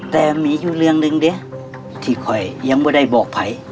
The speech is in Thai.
แต่มีอยู่เรื่องหนึ่งดิที่คอยยังไม่ได้บอกภัย